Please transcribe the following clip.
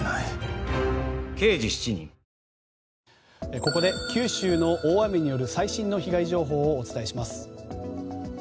ここで九州の大雨による最新の被害情報をお伝えします。